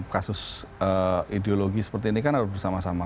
kasus ideologi seperti ini kan harus bersama sama